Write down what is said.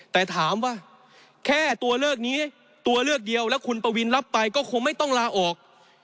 แต่ถามว่าแค่ตัวเลือกนี้ตัวเลือกเดียวแล้วคุณปวินรับไปก็คงไม่ต้องลาออก